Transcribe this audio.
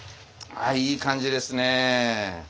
あいい感じですね。